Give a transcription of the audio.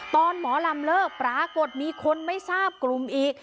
หมอลำเลิกปรากฏมีคนไม่ทราบกลุ่มอีก